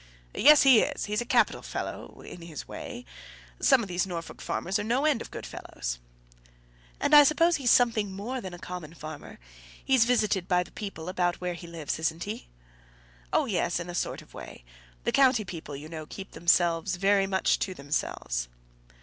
"Yes, he is; he's a capital fellow in his way. Some of these Norfolk farmers are no end of good fellows." "And I suppose he's something more than a common farmer. He's visited by the people about where he lives, isn't he?" "Oh, yes, in a sort of a way. The county people, you know, keep themselves very much to themselves."